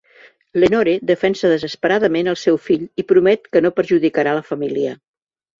Lenore defensa desesperadament el seu fill i promet que no perjudicarà la família.